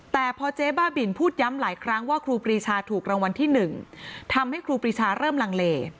แต่พอเจ๊บ้าบินพูดย้ำหลายครั้งว่าครูปรีชาถูกรางวัลที่๑ทำให้ครูปรีชาเริ่มลังเล